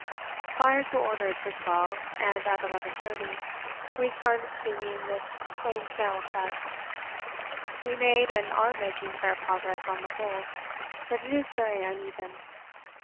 Fires were ordered for 12, and at 11.30 we started steaming with plain sail set. We made, and are making fair progress on the whole, but it is very uneven.